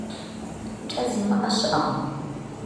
КӀэ зимыӀэ щыӀэкъым.